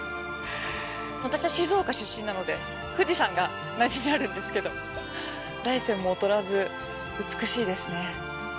私は静岡出身なので富士山がなじみあるんですけど大山も劣らず美しいですね。